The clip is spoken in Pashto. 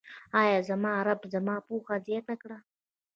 اې زما ربه، زما پوهه زياته کړه.